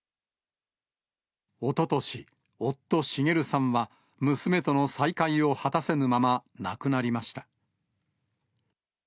おととし、夫、滋さんは娘との再会を果たせぬまま、亡くなりました。